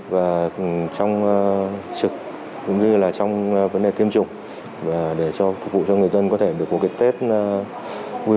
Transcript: và trong trực cũng như là trong vấn đề tiêm chủng để phục vụ cho người dân có thể được cuộc kiện tết vui vẻ